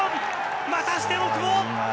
またしても久保！